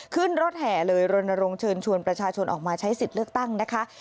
ขึ้นรถแห่เลยรณรงค์เชิญชวนประชาชนออกมาใช้สิทธิ์เลือกตั้งนะคะ